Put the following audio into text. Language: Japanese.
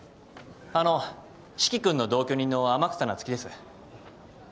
あのう四鬼君の同居人の天草那月です。